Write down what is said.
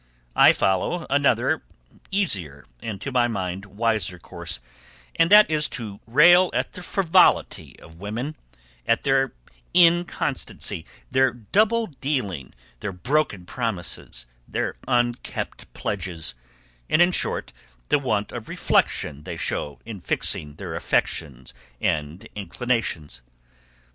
I follow another, easier, and to my mind wiser course, and that is to rail at the frivolity of women, at their inconstancy, their double dealing, their broken promises, their unkept pledges, and in short the want of reflection they show in fixing their affections and inclinations.